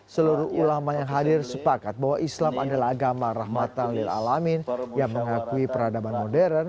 seluruh ulama yang hadir sepakat bahwa islam adalah agama rahmatan ⁇ lilalamin ⁇ yang mengakui peradaban modern